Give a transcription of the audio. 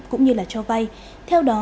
cũng như là cho hạ nhiệt lãi suất